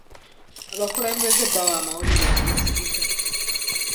Abakulembeze bawa amawulire ageesigika.